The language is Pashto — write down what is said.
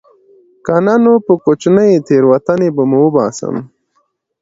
که نه نو په کوچنۍ تېروتنې به مو وباسم